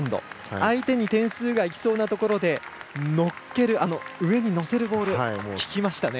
相手に点数がいきそうなところで上に乗せるボール、効きましたね。